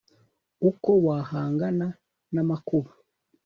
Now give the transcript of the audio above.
Uko wahangana n’amakuba